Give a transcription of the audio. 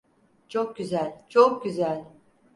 Çok güzel, çok güzel.